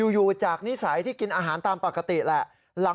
อยู่จากนิสัยที่กินอาหารตามปกติแหละ